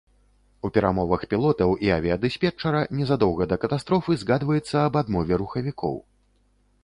У перамовах пілотаў і авіядыспетчара незадоўга да катастрофы згадваецца аб адмове рухавікоў.